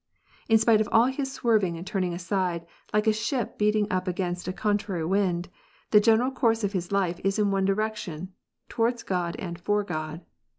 In spite of all his swerving and turning aside, like a ship beating up against a contrary wind, the general course of his life is in one direction, toward God and for God.